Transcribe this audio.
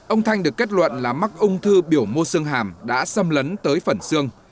ông thanh được kết luận là mắc ung thư biểu mô sương hàm đã xâm lấn tới phần sương